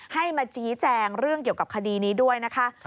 ให้มาชี้แจงเรื่องเกี่ยวกับคดีนี้ด้วยนะคะ